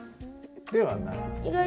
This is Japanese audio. ではない？